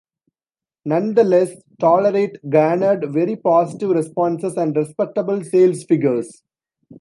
Nonetheless, "Tolerate" garnered very positive responses and respectable sales figures.